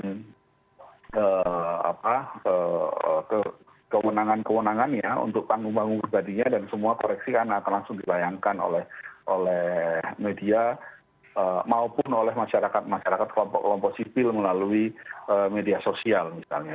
menggunakan kewenangan kewenangannya untuk panggung pribadinya dan semua koreksikan akan langsung dilayangkan oleh media maupun oleh masyarakat masyarakat kelompok sipil melalui media sosial misalnya